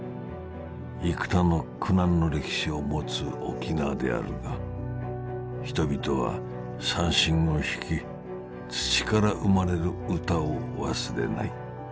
幾多の苦難の歴史を持つ沖縄であるが人々は三線を弾き土から生まれるうたを忘れない。